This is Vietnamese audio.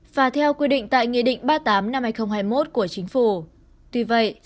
và theo quy định tại nghị định ba mươi tám hai nghìn hai mươi một của chính phủ